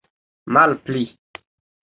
malpli